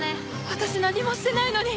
私何もしてないのに！